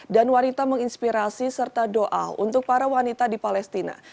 dan wanita menginspirasi serta doa untuk para wanita di palestina